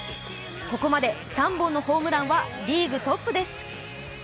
ここまで３本のホームランはリーグトップです。